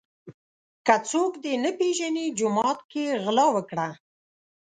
ـ که څوک دې نه پیژني جومات کې غلا وکړه.